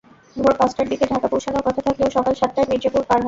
ভোর পাঁচটার দিকে ঢাকা পৌঁছানোর কথা থাকলেও সকাল সাতটায় মির্জাপুর পার হন।